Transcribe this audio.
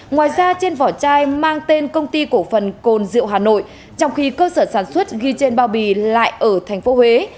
ngoài ra trên vỏ chai mang tên công ty cổ phần cồn rượu hà nội trong khi cơ sở sản xuất ghi trên bao bì lại ở tp huế